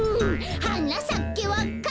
「はなさけわか蘭」